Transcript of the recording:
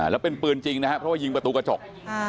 แล้วเป็นปืนจริงนะครับเพราะว่ายิงประตูกระจก